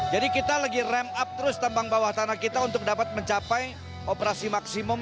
jadi kita lagi ramp up terus tambang bawah tanah kita untuk dapat mencapai operasi maksimum